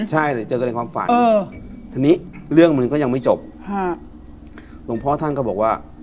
ทีนี้เรื่องมันก็ยังไม่จบหลวงพ่อท่านก็บอกว่า